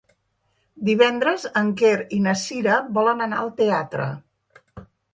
Divendres en Quer i na Cira volen anar al teatre.